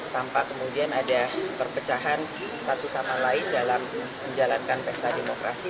tanpa kemudian ada perpecahan satu sama lain dalam menjalankan pesta demokrasi